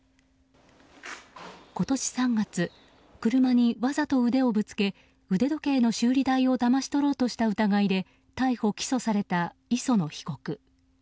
今年３月、車にわざと腕をぶつけ腕時計の修理代をだまし取ろうとした疑いで逮捕・起訴された磯野被告。